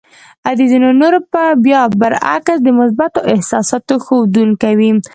د ځينو نورو بيا برعکس د مثبتو احساساتو ښودونکې وې.